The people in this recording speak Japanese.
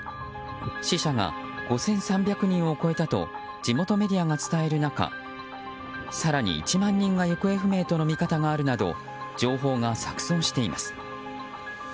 死者が５３００人を超えたと地元メディアが伝える中更に１万人が行方不明との見方があるなど情報が錯綜しています。